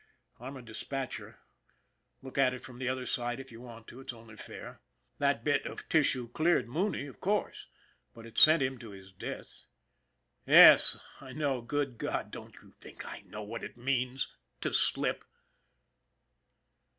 I'm a dispatcher, look at it from the other side if you want to, it's only fair. That bit of tissue cleared Mooney, of course but it sent him to his death. Yes, I know, good God, don't you think I know what it means to slip?